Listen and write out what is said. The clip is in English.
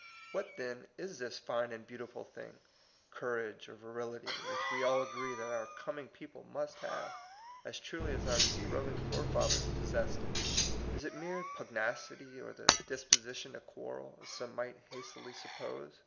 What, then, is this fine and beautiful thing, courage or virility, which we all agree that our coming people must have as THE IRON IN THE BLOOD. 39 truly as our sea roving forefathers pos sessed it? Is it mere pugnacity, or the dis position to quarrel, as some might hastily suppose?